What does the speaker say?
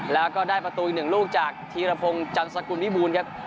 แล้วก็ได้ประตูอีกหนึ่งลูกจากธีรพงศ์จันสกุลวิบูรณ์ครับ